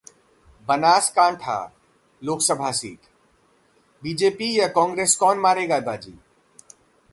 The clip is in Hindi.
बनासकांठा लोकसभा सीट: बीजेपी या कांग्रेस कौन मारेगा बाजी?